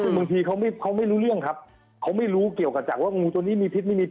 บางทีเขาไม่รู้เรื่องครับเขาไม่รู้เกี่ยวกับจากว่างูตัวนี้มีพิษไม่มีพิ